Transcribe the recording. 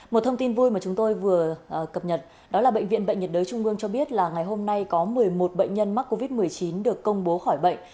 một thông tin vui mà chúng tôi vừa cập nhật đó là bệnh viện bệnh nhiệt đới trung ương cho biết là ngày hôm nay có một mươi một bệnh nhân mắc covid một mươi chín được công bố khỏi bệnh